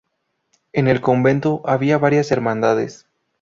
En el convento había varias hermandades.